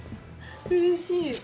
うれしい。